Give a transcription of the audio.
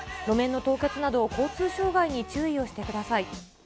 路面の凍結など、交通障害に注意をしてください。